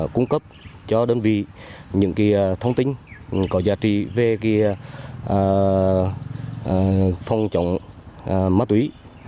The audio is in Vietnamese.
cung cấp cho đơn vị những thông tin có giá trị về phòng chống ma túy